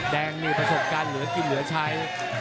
แดงมีประสบการณ์เหลือกินเหลือใช้